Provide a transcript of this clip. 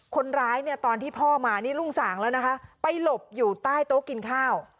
คนร้ายเนี่ยตอนที่พ่อมานี่ลุงสางแล้วนะคะไปหลบอยู่ใต้โต๊ะกินข้าว